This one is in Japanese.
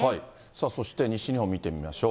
さあそして、西日本見てみましょう。